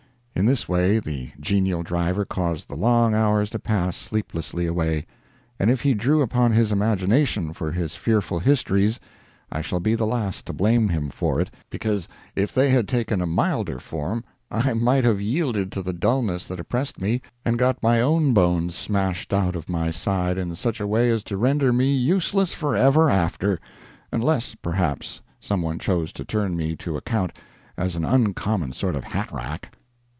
In this way the genial driver caused the long hours to pass sleeplessly away, and if he drew upon his imagination for his fearful histories, I shall be the last to blame him for it, because if they had taken a milder form I might have yielded to the dullness that oppressed me, and got my own bones smashed out of my hide in such a way as to render me useless forever after—unless, perhaps, some one chose to turn me to account as an uncommon sort of hat rack.